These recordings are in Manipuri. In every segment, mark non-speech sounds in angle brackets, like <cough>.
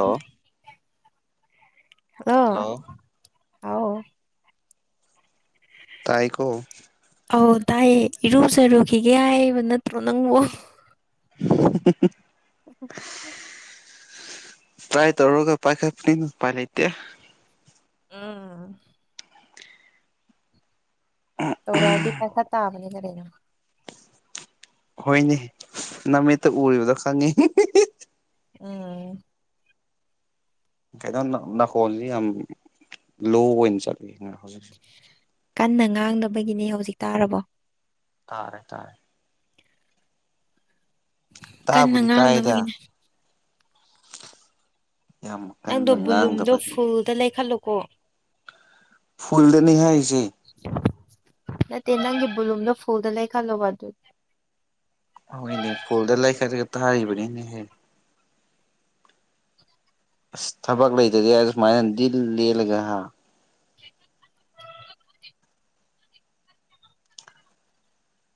ꯑ ꯍꯜꯂꯣ ꯍꯥꯎ ꯇꯥꯏꯀꯣ ꯑꯧ ꯇꯗꯥꯥꯏꯌꯦ ꯏꯔꯨꯖꯔꯨꯈꯤꯒꯦ ꯍꯥꯏꯕ ꯅꯠꯇ꯭ꯔꯣ ꯅꯪꯕꯨ ꯍꯍ ꯍ ꯇꯔꯥꯏ ꯇꯧꯔꯒ ꯄꯥꯏꯈꯠꯄꯅꯤꯅ ꯎꯄꯥꯏ ꯂꯩꯇꯦ ꯎꯝ ꯑ ꯇꯧꯔꯛꯑꯗꯤ ꯄꯥꯏꯈꯠꯇꯥꯕꯅꯤ ꯀꯔꯤꯅꯣ ꯍꯣꯏꯅꯦ ꯅꯃꯤꯠꯇ ꯎꯔꯤꯕꯗꯣ ꯈꯪꯉꯤ ꯎꯝ ꯀꯩꯅꯣ ꯅ-ꯅꯥꯀꯣꯟꯁꯤ ꯌꯥꯝ ꯂꯣ ꯑꯣꯏꯅ ꯆꯠꯂꯤ ꯍꯧꯖꯤꯛ ꯀꯟꯅ ꯉꯥꯡꯗꯕꯒꯤꯅꯤ ꯍꯧꯖꯤꯛ ꯇꯥꯔꯕꯣ ꯇꯥꯔꯦ ꯇꯥꯔꯦ ꯀꯟꯅ ꯇꯥꯕꯨꯗꯤ ꯇꯥꯏꯗ ꯉꯥꯡꯗꯕꯒꯤꯅꯦ ꯌꯥꯝ ꯅꯪꯗꯣ ꯀꯟꯅ ꯕꯨꯂꯨꯝꯗꯣ ꯉꯥꯡꯗꯕꯒꯤ ꯐꯨꯜꯗ ꯂꯩꯈꯠꯂꯣꯀꯣ ꯐꯨꯜꯗꯅꯤ ꯍꯥꯏꯁꯦ ꯅꯠꯇꯦ ꯅꯪꯒꯤ ꯕꯨꯂꯨꯝꯗꯣ ꯐꯨꯜꯗ ꯂꯩꯥꯈꯜꯂꯣꯕ ꯑꯗꯨ ꯍꯈꯣꯏꯅꯦ ꯐꯣꯜꯗ ꯂꯩꯈꯠꯂꯒ ꯇꯥꯔꯤꯕꯅꯤꯅꯦꯍꯦ ꯑꯁ ꯊꯕꯛ ꯂꯩꯇꯗꯤ ꯑ ꯁꯨꯃꯥꯏꯅ ꯗꯤꯜ ꯂꯦꯜꯂꯒ ꯍꯥ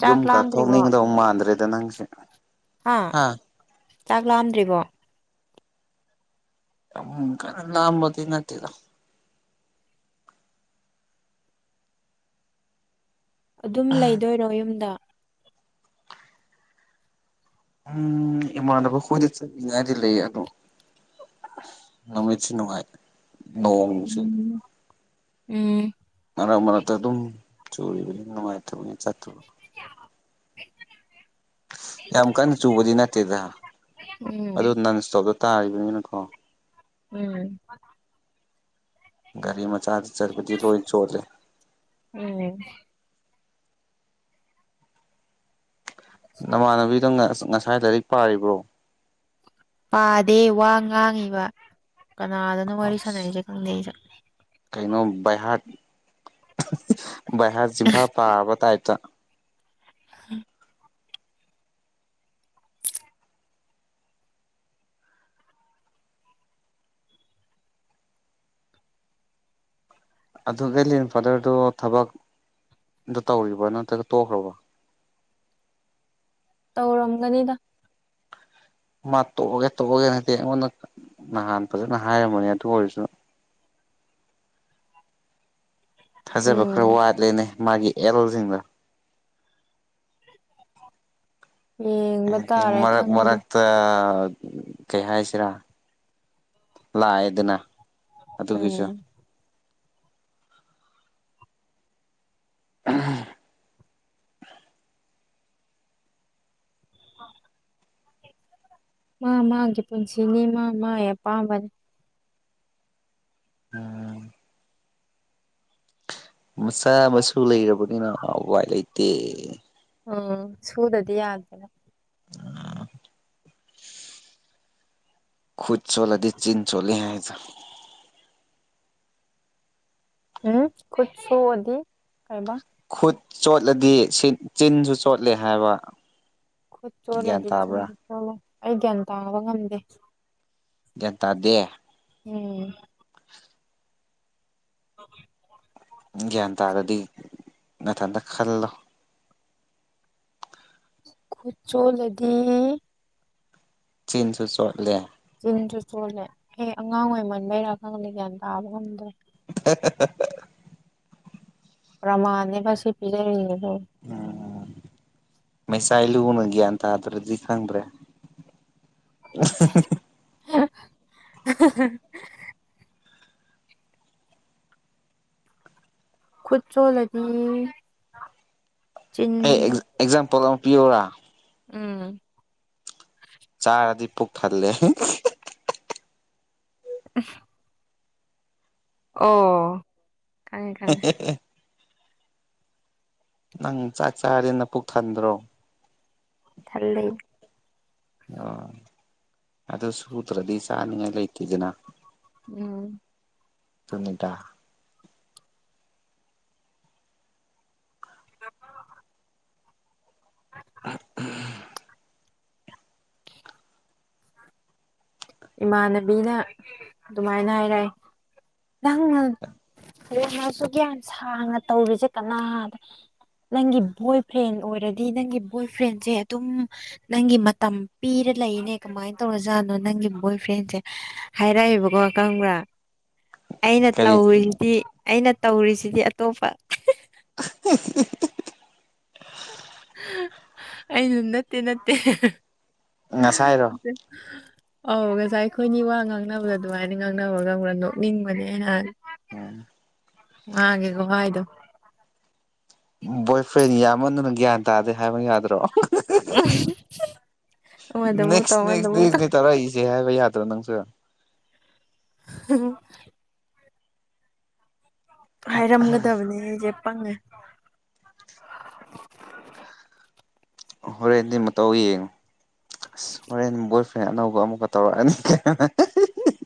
ꯆꯥꯛ ꯌꯨꯝ ꯀ ꯂꯥꯝꯗ꯭ꯔꯤꯕꯣ ꯊꯣꯛꯅꯤꯡꯒꯗꯧ ꯃꯥꯟꯗ꯭ꯔꯦꯗ ꯅꯪꯁꯦ ꯍꯥ ꯆꯥꯛ ꯂꯥꯝꯗ꯭ꯔꯤꯕꯣ ꯌꯥꯝ ꯀꯟꯅ ꯂꯥꯝꯕꯗꯤ ꯅꯠꯇꯦꯗ ꯑꯗꯨꯝ ꯂꯩꯗꯣꯏꯔꯣ ꯌꯨꯝꯗ ꯎꯝ ꯏꯃꯥꯟꯅꯕ ꯍꯣꯏꯗ ꯆꯠꯅꯤꯡꯉꯥꯏꯗꯤ ꯂꯩꯌꯦ ꯑꯗꯣ ꯅꯨꯃꯤꯠꯁꯤ ꯅꯨꯡꯉꯥꯏꯇꯦ ꯎꯝ ꯎꯝ ꯃꯔꯛ ꯃꯔꯛꯇ ꯑꯗꯨꯝ ꯆꯨꯔꯤꯕꯅꯤ ꯅꯨꯡꯉꯥꯏꯇꯕꯒꯤ ꯆꯠꯇ꯭ꯔꯕ ꯌꯥꯝ ꯀꯟꯅ ꯆꯨꯕꯗꯤ ꯅꯠꯇꯦꯗ ꯎꯝ ꯑꯗꯨ ꯅꯟ ꯏꯁꯇꯣꯞꯇ ꯇꯥꯔꯤꯕꯅꯤꯅꯀꯣ ꯎꯝ ꯒꯥꯔꯤ ꯃꯆꯥꯗ ꯆꯠꯄꯗꯤ ꯂꯣꯏ ꯆꯣꯠꯂꯦ <unintelligible> ꯅꯃꯥꯟꯅꯕꯤꯗꯣ ꯑꯁ ꯉꯁꯥꯏ ꯂꯥꯏꯔꯤꯛ ꯄꯥꯔꯤꯕ꯭ꯔꯣ ꯄꯥꯗꯦ ꯋꯥ ꯉꯥꯡꯉꯤꯕ ꯀꯅꯥꯗꯅꯣ ꯋꯥꯔꯤ ꯑꯁ ꯁꯥꯟꯅꯔꯤꯁꯦ ꯈꯪꯗꯦ ꯑꯩꯁꯨ ꯀꯩꯅꯣ ꯕꯥꯩꯍꯥꯔꯠ ꯕꯥꯩꯍꯥꯔꯠ ꯆꯤꯡꯐꯥ ꯄꯥꯕ ꯇꯥꯏꯞꯇ <unintelligible> ꯑꯗꯨ ꯂꯦꯟꯐꯥꯗꯔꯗꯨꯣ ꯊꯕꯛ ꯗꯣ ꯇꯧꯔꯤꯕ꯭ꯔꯥ ꯅꯠꯇ꯭ꯔꯒ ꯇꯣꯛꯈ꯭ꯔꯕꯣ ꯇꯧꯔꯝꯒꯅꯤꯗ ꯃꯥ ꯇꯣꯛꯑꯒꯦ ꯇꯣꯛꯑꯒꯦ ꯍꯥꯏꯗꯤ ꯑꯩꯉꯣꯟꯗ ꯅꯍꯥꯟ ꯐꯖꯅ ꯍꯥꯏꯔꯝꯕꯅꯦ ꯑꯗꯨ ꯑꯣꯏꯔꯁꯨ ꯊꯥꯖꯕ ꯈꯔ ꯎꯝ ꯋꯥꯠꯂꯦꯅꯦ ꯃꯥꯒꯤ ꯑꯦꯜꯁꯤꯡꯗꯣ ꯌꯦꯡꯕ ꯗꯤ ꯇꯥꯔꯦ ꯃꯔꯛ ꯈꯪꯗꯦ ꯃꯔꯛ ꯀꯩ ꯍꯥꯏꯁꯤꯔꯥ ꯂꯥꯛꯑꯦꯗꯅ ꯑꯗꯨꯒꯤꯁꯨ ꯎꯝ <unintelligible> <unintelligible> ꯃꯥ ꯃꯥꯒꯤ ꯄꯨꯟꯁꯤꯅꯤ ꯃꯥ ꯃꯥꯒꯤ ꯑꯄꯥꯝꯕꯅꯤ ꯎꯝ ꯃꯆꯥ ꯃꯁꯨ ꯂꯩꯔꯕꯅꯤꯅ ꯎꯋꯥꯏ ꯂꯩꯇꯦ ꯎꯝ ꯁꯨꯗꯗꯤ ꯌꯥꯗꯦ ꯈꯨꯠ ꯆꯣꯠꯂꯗꯤ ꯆꯤꯟ ꯆꯣꯠꯂꯦ ꯍꯥꯏꯗꯣ ꯎꯝ ꯈꯨꯠꯁꯣꯛ ꯑꯗꯤ ꯀꯩ ꯍꯥꯏꯕ ꯈꯨꯠ ꯆꯣꯠꯂꯗꯤ ꯆꯤꯟꯁꯨ ꯆꯣꯠꯂꯦ ꯍꯥꯏꯕ ꯈꯨꯠ ꯒ꯭ꯌꯥꯟ ꯆꯣꯠꯂꯗꯤ ꯆꯤꯟ ꯇꯥꯕ꯭ꯔꯥ ꯆꯣꯠꯂꯦ ꯑꯩ ꯒ꯭ꯌꯥꯟ ꯇꯥꯕ ꯉꯝꯗꯦ ꯒ꯭ꯌꯥꯟ ꯇꯗꯦ ꯎꯝ <unintelligible> ꯒ꯭ꯌꯥꯟ ꯇꯥꯔꯗꯤ ꯅꯊꯟꯇ ꯈꯜꯂꯣ ꯈꯨꯠ ꯆꯣꯠꯂꯗꯤ ꯆꯤꯟꯁꯨ ꯆꯣꯠꯂꯦ ꯆꯤꯡꯁꯨ ꯆꯣꯠꯂꯦ ꯍꯦ ꯑꯉꯥꯡ ꯑꯣꯏꯃꯟꯕꯩꯔꯥ ꯈꯪꯗꯦ ꯒ꯭ꯌꯥꯟ ꯇꯥꯕ ꯉꯝꯗ꯭ꯔꯦ <inaudible> ꯄ꯭ꯔꯃꯥꯅꯦꯒ ꯁꯤ ꯄꯤꯖꯔꯤꯅꯦꯕ ꯎꯝ ꯃꯩꯁꯥꯏ ꯂꯨꯅ ꯒ꯭ꯌꯥꯟ ꯇꯥꯗꯥꯔꯗꯤ ꯈꯪꯗ꯭ꯔꯦ <inaudible> ꯈꯨꯠ ꯆꯣꯠꯂꯗꯤ ꯑꯩ ꯑꯦꯛꯖꯥꯝꯄꯜ ꯑꯃ ꯄꯤꯌꯣꯔꯥ ꯎꯝ ꯆꯥꯔꯗꯤ ꯄꯨꯛ ꯊꯜꯂꯦ <unintelligible> ꯑꯣ ꯈꯪꯉꯦ ꯈꯪꯉꯦ ꯅꯪ ꯆꯥꯛ ꯆꯥꯔꯥꯗꯤ ꯄꯨꯛ ꯊꯟꯗ꯭ꯔꯣ ꯊꯜꯂꯦ ꯑꯣ ꯑꯗꯨ ꯁꯨꯗ꯭ꯔꯗꯤ ꯆꯥꯅꯤꯡꯉꯥꯏ ꯂꯩꯇꯦꯗꯅ ꯎꯝ ꯀꯅꯗꯥ ꯑ ꯎ ꯏꯃꯥꯟꯅꯕꯤꯅ ꯑꯗꯨꯃꯥꯏꯅ ꯍꯥꯏꯔꯑꯦ ꯅꯪꯅꯁꯨ ꯒ꯭ꯌꯥꯟ ꯁꯥꯡꯅ ꯇꯧꯔꯤꯁꯦ ꯀꯅꯥꯗ ꯅꯪꯒꯤ ꯕꯣꯏ ꯐ꯭ꯔꯦꯟ ꯑꯣꯏꯔꯗꯤ ꯅꯪꯒꯤ ꯕꯣꯏ ꯐ꯭ꯔꯦꯟꯁꯦ ꯑꯗꯨꯝ ꯅꯪꯒꯤ ꯃꯇꯝ ꯄꯤꯔ ꯂꯩꯅꯦ ꯀꯃꯥꯏꯅ ꯇꯧꯔꯖꯥꯠꯅꯣ ꯅꯪꯒꯤ ꯕꯣꯏ ꯐ꯭ꯔꯦꯟꯁꯦ ꯍꯥꯏꯔꯛꯑꯦꯕꯀꯣ ꯈꯪꯕ꯭ꯔꯥ ꯑꯩꯅ ꯀꯔꯤ ꯇꯧꯔꯤꯁꯤꯗꯤ ꯑꯩꯅ ꯇꯧꯔꯤꯁꯤꯗꯤ ꯑꯇꯣꯞꯄ <inaudible> ꯑꯩꯩꯅꯝ ꯅꯠꯇꯦ ꯅꯠꯇꯦ ꯉꯁꯥꯏꯔꯣ ꯑꯧ ꯉꯁꯥꯏ ꯑꯩꯈꯣꯏꯅꯤ ꯋꯥ ꯉꯥꯡꯅꯕꯗꯣ ꯑꯗꯨꯃꯥꯏꯅ ꯉꯥꯡꯅꯕ ꯉꯪꯕ꯭ꯔꯥ ꯅꯣꯛꯅꯤꯡꯕꯅꯦ ꯅꯍꯥꯟ ꯎꯝ ꯍꯦꯒꯣ ꯍꯥꯏꯗꯣ ꯕꯣꯏ ꯐ꯭ꯔꯦꯟ ꯌꯥꯝꯃꯗꯨꯅ ꯒ꯭ꯌꯥꯟ ꯇꯥꯗꯦ ꯍꯥꯏꯕ ꯌꯥꯗ꯭ꯔꯥ ꯑꯃꯗ ꯑꯃꯨꯛ ꯅꯦꯛꯁ ꯇꯧ ꯑꯃꯗ ꯅꯦꯛꯁ ꯑꯃꯨꯛ ꯅꯦꯛꯁ ꯇꯧ ꯅ ꯇꯔꯥꯏꯁꯦ ꯍꯥꯏꯕ ꯌꯥꯗ꯭ꯔꯣ ꯅꯪꯁꯨ ꯎꯝ ꯍꯥꯏꯔꯝꯒꯗꯕꯅꯦ ꯑꯩꯁꯦ ꯄꯪꯉꯦ ꯍꯣꯔꯦꯟꯗꯤ ꯃꯇꯧ ꯌꯦꯡꯉꯨ ꯑꯁ ꯍꯣꯔꯦꯟ ꯕꯣꯏ ꯐ꯭ꯔꯦꯟ ꯑꯅꯧꯕ ꯑꯃꯨꯛꯀ ꯇꯧꯔꯛꯑꯅꯤ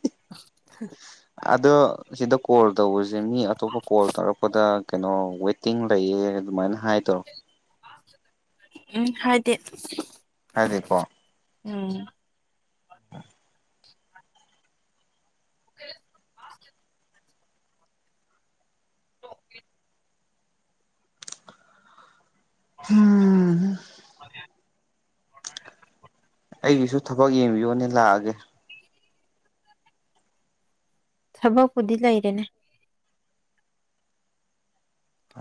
<inaudible> ꯑꯗꯣ ꯑꯁꯤꯗ ꯀꯣꯜ ꯇꯧꯕꯁꯦ ꯃꯤ ꯑꯇꯣꯞꯄ ꯀꯣꯜ ꯇꯧꯔꯛꯄꯗ ꯀꯩꯅꯣ ꯋꯦꯇꯤꯡ ꯂꯩꯌꯦ ꯑꯗꯨꯃꯥꯏꯅ ꯍꯥꯏ ꯇꯧꯔꯣ ꯎꯝ ꯍꯥꯏꯗꯤ ꯍꯥꯏꯗꯤ ꯀꯣ ꯎꯝ ꯑꯣ ꯑꯣꯦ ꯍꯥꯝ <inaudible> ꯑꯩꯒꯤꯁꯨ ꯊꯕꯛ ꯌꯦꯡꯕꯤꯌꯨꯅꯦ ꯂꯥꯛꯑꯒꯦ ꯊꯕꯛꯄꯨꯗꯤ ꯂꯩꯔꯦꯅꯦ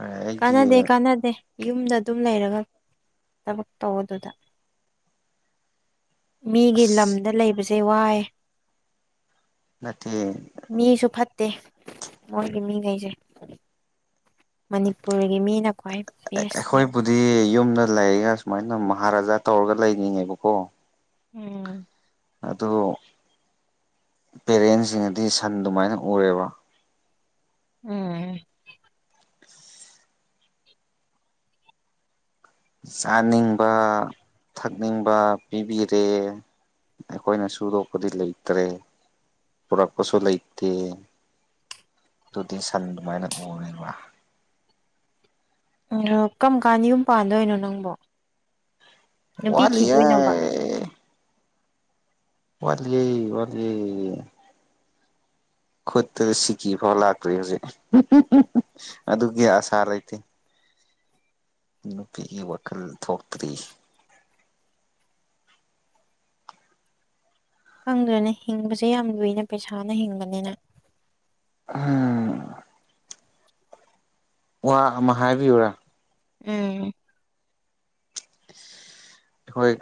ꯑꯩꯒꯤ ꯀꯥꯟꯅꯗꯦ ꯀꯥꯟꯅꯗꯦ ꯌꯨꯝꯗ ꯑꯗꯨꯝ ꯂꯩꯔꯒ ꯊꯕꯛ ꯇꯧꯕ ꯑꯗꯨꯗ ꯃꯤꯒꯤ ꯂꯝꯗ ꯂꯩꯕꯁꯦ ꯋꯥꯏ ꯅꯠꯇ ꯃꯤꯁꯨ ꯐꯠꯇꯦ ꯃꯣꯏꯒꯤ ꯃꯤꯉꯩꯁꯦ ꯃꯅꯤꯄꯨꯔꯒꯤ ꯃꯤꯅ ꯈ꯭ꯋꯥꯏ ꯕꯦꯁꯅꯦ ꯑꯩꯈꯣꯏꯕꯨꯗꯤ ꯌꯨꯝꯗ ꯂꯩꯔꯒ ꯁꯨꯃꯥꯏꯅ ꯃꯍꯥꯔꯥꯖꯥ ꯇꯧꯔꯒ ꯂꯩꯅꯤꯡꯉꯦꯕꯀꯣ ꯑꯣꯝ ꯑꯗꯨ ꯄꯦꯔꯦꯟꯁꯤꯡꯅꯗꯤ ꯁꯟ ꯑꯗꯨꯃꯥꯏꯅ ꯎꯔꯦꯕ ꯎꯝ ꯆꯥꯅꯤꯡꯕ ꯊꯛꯅꯤꯡꯕ ꯄꯤꯕꯤꯔꯦ ꯑꯩꯈꯣꯏꯅ ꯁꯨꯗꯣꯛꯄꯗꯤ ꯂꯩꯇ꯭ꯔꯦ ꯄꯨꯔꯛꯄꯁꯨ ꯂꯩꯇꯦ ꯑꯗꯨꯨꯗꯤ ꯁꯟ ꯑꯗꯨꯃꯥꯏꯅ ꯎꯔꯦꯕ ꯑꯣ ꯀꯔꯝ ꯀꯥꯟꯗ ꯌꯨꯝ ꯄꯥꯟꯗꯣꯏꯅꯣ ꯅꯪꯕꯣ ꯅꯨꯄꯤ ꯋꯥꯠꯂꯤꯌꯦ ꯊꯤꯗꯣꯏꯅꯣꯕ ꯋꯥꯠꯂꯤ ꯋꯥꯠꯂꯤ ꯈꯨꯠꯇ ꯁꯤꯀꯤ ꯐꯥꯎ ꯂꯥꯛꯇ꯭ꯔꯤ ꯍꯧꯖꯤꯛ ꯑꯗꯨꯒꯤ ꯑꯁꯥ ꯂꯩꯇꯦ ꯅꯨꯄꯤꯒꯤ ꯋꯥꯈꯜ ꯊꯣꯛꯇ꯭ꯔꯤ ꯀꯪꯗ꯭ꯔꯅꯦ ꯍꯤꯡꯕꯁꯦ ꯌꯥꯝ ꯂꯨꯏꯅ ꯄꯩꯁꯥꯅ ꯍꯤꯡꯕꯅꯤꯅ ꯍꯝ ꯋꯥ ꯑꯃ ꯍꯥꯏꯕꯤꯌꯨꯔꯥ ꯎꯝ ꯑꯩꯈꯣꯏ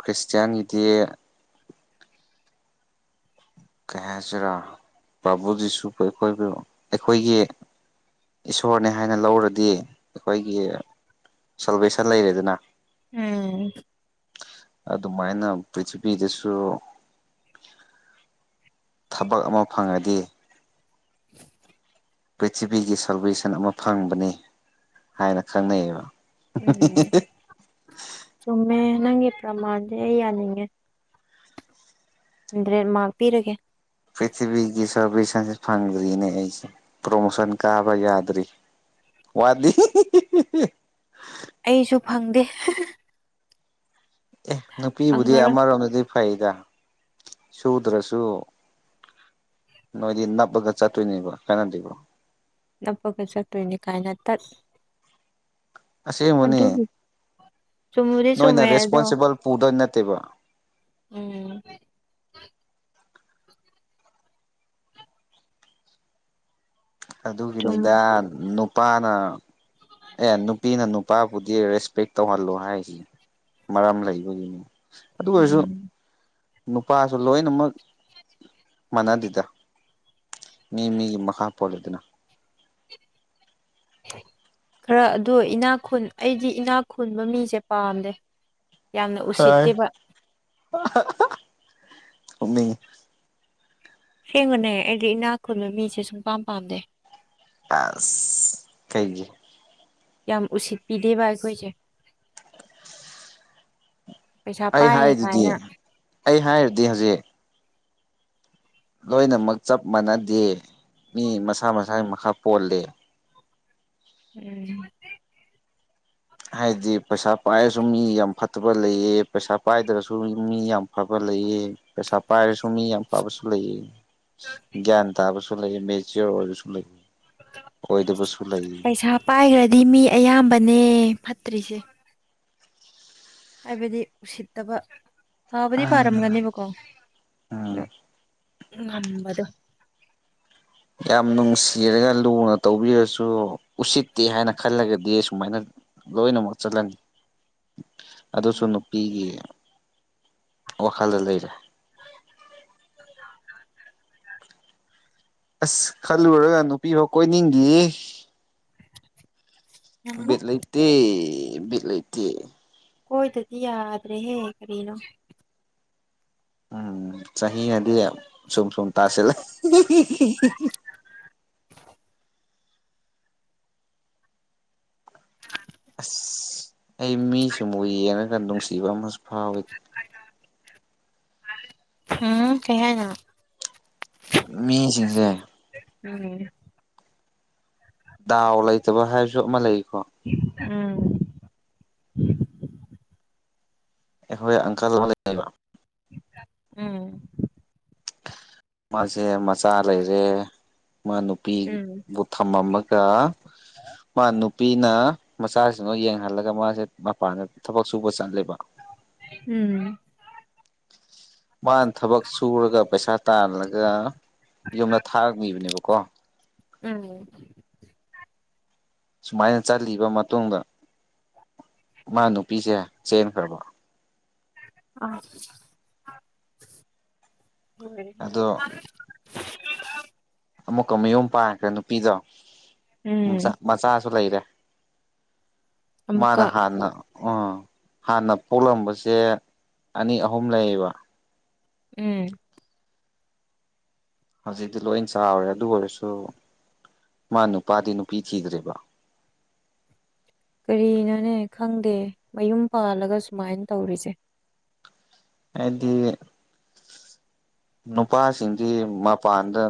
ꯈ꯭ꯔꯤꯁꯇꯤꯌꯥꯅꯤꯇꯤ ꯀꯩ ꯍꯥꯏꯁꯤꯔꯥ ꯕꯥꯕꯨꯗꯤꯁꯨꯕꯨ ꯑꯩꯈꯣꯏꯕꯨ ꯑꯩꯈꯣꯏꯒꯤ ꯏꯁꯣꯔꯅꯦ ꯍꯥꯏꯅ ꯂꯧꯔꯗꯤ ꯑꯩꯈꯣꯏꯒꯤ ꯁꯣꯜꯕꯩꯁꯥꯟ ꯂꯩꯔꯦꯗꯅ ꯎꯝ ꯑꯗꯨꯃꯥꯏꯅ ꯄ꯭ꯔꯤꯊꯤꯕꯤꯗꯁꯨ ꯊꯕꯛ ꯑꯃ ꯐꯪꯉꯗꯤ ꯄ꯭ꯔꯤꯊꯤꯕꯤꯒꯤ ꯁꯔꯋꯦꯁꯟ ꯑꯃ ꯐꯪꯕꯅꯤ ꯍꯥꯏꯅ ꯈꯪꯅꯩꯌꯦꯕ ꯎꯝ ꯆꯨꯝꯃꯦ ꯅꯪꯒꯤ ꯄ꯭ꯔꯃꯥꯟꯖꯦ ꯑꯩ ꯌꯥꯅꯤꯡꯉꯦ ꯍꯟꯗ꯭ꯔꯦꯠ ꯃꯥꯔꯛ ꯄꯤꯔꯒꯦ ꯄ꯭ꯔꯤꯊꯤꯕꯤꯒꯤ ꯁꯥꯔꯚꯤꯁ ꯁꯟꯖꯦ ꯐꯪꯗ꯭ꯔꯤꯅꯦ ꯑꯩꯁꯦ ꯄ꯭ꯔꯣꯃꯣꯁꯟ ꯀꯥꯕ ꯌꯥꯗ꯭ꯔꯤ ꯋꯥꯠꯂꯤ <unintelligible> ꯑꯩꯁꯨ ꯐꯪꯗꯦ ꯑꯦ ꯅꯨꯄꯤꯕꯨꯗꯤ ꯐꯪꯉꯔꯣꯏ ꯑꯃꯔꯣꯝꯗꯗꯤ ꯐꯩꯗ ꯁꯨꯗ꯭ꯔꯁꯨ ꯅꯣꯏꯗꯤ ꯅꯞꯄꯒ ꯆꯠꯇꯣꯏꯅꯦꯕ ꯀꯥꯞꯅꯗꯦꯕ ꯅꯞꯄꯒ ꯆꯠꯇꯣꯏꯅꯦ ꯀꯥꯏꯅ ꯇꯠ ꯑꯁꯦꯡꯃꯅꯦ ꯑꯗꯨꯒꯤ ꯆꯨꯝꯕꯨꯗꯤ ꯅꯣꯏꯅ ꯆꯨꯝꯃꯦ ꯑꯗꯣ ꯔꯦꯁꯄꯣꯟꯁꯤꯕꯜ ꯄꯨꯗꯣꯏ ꯅꯠꯇꯦꯕ ꯎꯝ ꯆꯨꯝ ꯑꯗꯨꯒꯤꯅꯤꯗꯥ ꯅꯨꯄꯥꯅ ꯑꯦ ꯅꯨꯄꯤꯅ ꯅꯨꯄꯥꯕꯨꯗꯤ ꯔꯦꯁꯄꯦꯛ ꯇꯧꯍꯜꯂꯣ ꯍꯥꯏꯔꯤ ꯃꯔꯝ ꯂꯩꯕꯒꯤꯅꯤ ꯎꯝ ꯅꯨꯄꯥꯖꯨ ꯂꯣꯏꯅꯃꯛ ꯃꯥꯟꯅꯗꯦꯗ ꯃꯤ ꯃꯤꯒꯤ ꯃꯈꯥ ꯄꯣꯜꯂꯤꯗꯅ ꯈꯔ ꯑꯗꯣ ꯏꯅꯥꯛ ꯈꯨꯨꯟ ꯑꯩꯗꯤ ꯏꯅꯥꯛ ꯈꯨꯟꯕ ꯃꯤꯁꯦ ꯄꯥꯝꯗꯦ ꯌꯥꯝꯅ ꯎꯁꯤꯠꯇꯦꯕ <unintelligible> ꯅꯣꯛꯅꯤꯡꯉꯤ ꯁꯦꯡꯕꯅꯦ ꯑꯩꯗꯤ ꯏꯅꯥꯛ ꯈꯨꯟꯕ ꯃꯤꯁꯦ ꯁꯨꯡꯄꯥꯝ ꯄꯥꯝꯗꯦ ꯑꯁ ꯀꯩꯒꯤ ꯌꯥꯝ ꯎꯁꯤꯠꯄꯤꯗꯦꯕ ꯑꯩꯈꯣꯏꯁꯦ ꯄꯩꯁꯥ ꯑꯩ ꯄꯥꯏꯔꯦ ꯀꯥꯏꯅ ꯍꯥꯏꯗꯨꯗꯤ ꯑꯩ ꯍꯥꯏꯔꯗꯤ ꯍꯧꯖꯤꯛ ꯂꯣꯏꯅꯃꯛ ꯆꯞ ꯃꯥꯟꯅꯗꯦ ꯃꯤ ꯃꯁꯥ ꯃꯁꯥꯒꯤ ꯃꯈꯥ ꯄꯣꯜꯂꯦ ꯎꯝ ꯍꯥꯏꯗꯤ ꯄꯩꯁꯥ ꯄꯥꯏꯔꯁꯨ ꯃꯤ ꯌꯥꯝ ꯐꯠꯇꯕ ꯂꯩꯌꯦ ꯄꯩꯁꯥ ꯄꯥꯏꯗ꯭ꯔꯁꯨ ꯃꯤ ꯌꯥꯝ ꯐꯕ ꯂꯩꯌꯦ ꯄꯩꯁꯥ ꯄꯥꯏꯔꯁꯨ ꯃꯤ ꯌꯥꯝ ꯐꯕꯁꯨ ꯂꯩꯌꯦ ꯒ꯭ꯌꯥꯟ ꯇꯥꯕꯁꯨ ꯂꯩꯌꯦ ꯃꯦꯆꯣꯔ ꯑꯣꯏꯕꯁꯨ ꯂꯩ ꯑꯣꯏꯗꯕꯁꯨ ꯂꯩ ꯄꯥꯏꯒ꯭ꯔꯗꯤ ꯃꯤ ꯑꯌꯥꯝꯕꯅꯦ ꯐꯠꯇ꯭ꯔꯤꯁꯦ ꯍꯥꯏꯕꯗꯤ ꯎꯁꯤꯠꯇꯕ ꯐꯕꯨꯗꯤ ꯐꯔꯝꯒꯅꯦꯕꯀꯣ ꯎꯝ ꯗ ꯉꯝꯕꯗꯣ ꯌꯝ ꯅꯨꯡꯁꯤꯔꯒ ꯂꯨꯅ ꯇꯧꯕꯤꯔꯁꯨ ꯎꯁꯤꯠꯇꯦ ꯍꯥꯏꯅ ꯈꯜꯂꯒꯗꯤ ꯁꯨꯃꯥꯏꯅ ꯂꯣꯏꯅꯃꯛ ꯆꯠꯂꯅꯤ ꯑꯗꯨꯖꯨ ꯅꯨꯄꯤꯒꯤ ꯋꯥꯈꯜꯗ ꯂꯩꯔꯦ <inaudible> ꯑꯁ ꯈꯜꯂꯨꯔꯒ ꯅꯨꯄꯤ ꯐꯥꯎ ꯀꯣꯏꯅꯤꯡꯗꯤꯌꯦ ꯕꯤꯠ ꯂꯩꯇꯦ ꯕꯤꯠ ꯂꯩꯇꯦ ꯀꯣꯏꯗꯔꯗꯤ ꯌꯥꯗ꯭ꯔꯦꯍꯦ ꯀꯔꯤꯅꯣ ꯎꯝ ꯆꯍꯤꯅꯗꯤ ꯁꯨꯝ ꯁꯨꯝ ꯇꯥꯁꯤꯜꯂꯤ ꯑꯁ ꯑꯩ ꯃꯤꯁꯨ ꯑꯃꯨꯛ ꯌꯦꯡꯉꯒ ꯅꯨꯡꯁꯤꯕ ꯑꯃꯁꯨ ꯐꯥꯎꯋꯤ ꯎꯝ ꯀꯩꯍꯥꯏꯅꯣ ꯃꯤꯖꯤꯡꯖꯦ ꯎꯝ ꯗꯥꯎ ꯂꯩꯇꯕ ꯍꯥꯏꯕꯁꯨ ꯑꯃ ꯂꯩꯀꯣ ꯎꯝ ꯑꯩꯈꯣꯏ ꯑꯪꯀꯜ ꯑꯃ ꯂꯩꯕ ꯎꯝ ꯃꯥꯁꯦ ꯃꯆꯥ ꯂꯩꯔꯦ ꯃꯥ ꯎꯝ ꯅꯨꯄꯤꯗꯨ ꯊꯥꯃꯝꯃꯒ ꯃꯥ ꯅꯨꯄꯤꯅ ꯃꯆꯥꯁꯤꯡꯗꯣ ꯌꯦꯡꯍꯜꯂꯒ ꯃꯥꯁꯦ ꯃꯄꯥꯟꯗ ꯊꯕꯛ ꯁꯨꯕ ꯆꯠꯂꯦꯕ ꯎꯝ ꯃꯥꯅ ꯊꯕꯛ ꯁꯨꯔꯒ ꯄꯩꯁꯥ ꯇꯥꯜꯂꯒ ꯌꯨꯝꯗ ꯊꯥꯒꯤꯕꯅꯦꯕꯀꯣ ꯎꯝ ꯁꯨꯃꯥꯏꯅ ꯆꯠꯂꯤꯕ ꯃꯇꯨꯡꯗ ꯃꯥꯅ ꯅꯨꯄꯤꯁꯦ ꯆꯦꯟꯈ꯭ꯔꯕꯣ ꯑꯁ ꯂꯣꯏꯔꯦꯍꯦ ꯑꯗꯣ ꯑꯃꯨꯛꯀ ꯃꯌꯨꯝ ꯄꯥꯏꯈ꯭ꯔꯦ ꯅꯨꯄꯤꯗꯣ ꯎꯝ ꯄꯨꯝꯆꯥꯛ ꯃꯆꯥꯁꯨ ꯂꯩꯔꯦ ꯃꯥꯅ ꯑꯃꯨꯛꯀ ꯍꯥꯟꯅ ꯑꯥ ꯍꯥꯟꯅ ꯄꯣꯛꯂꯝꯕꯁꯦ ꯑꯅꯤ ꯑꯍꯨꯝ ꯂꯩꯌꯦꯕ ꯎꯝ ꯍꯧꯖꯤꯛꯇꯤ ꯂꯣꯏ ꯆꯥꯎꯔꯦ ꯑꯗꯨ ꯑꯣꯏꯔꯁꯨ ꯃꯥ ꯅꯨꯄꯥꯗꯤ ꯅꯨꯄꯤ ꯊꯤꯗ꯭ꯔꯦꯕ ꯀꯔꯤꯅꯅꯦ ꯈꯪꯗꯦ ꯃꯌꯨꯝ ꯄꯥꯜꯂꯒ ꯁꯨꯃꯥꯏꯅ ꯇꯧꯔꯤꯁꯦ ꯍꯥꯏꯗꯤ ꯅꯨꯄꯥꯁꯤꯡꯗꯤ ꯃꯄꯥꯟ